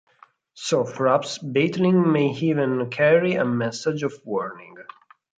So, perhaps, Battling may even carry a message of warning.